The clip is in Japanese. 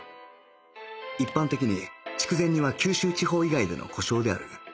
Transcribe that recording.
一般的に筑前煮は九州地方以外での呼称である